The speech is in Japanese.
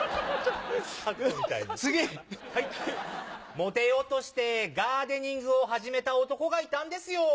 モテようとしてガーデニングを始めた男がいたんですよ。